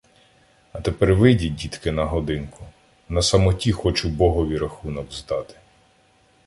— А тепер вийдіть, дітки, на годинку - на самоті хочу Богові рахунок здати.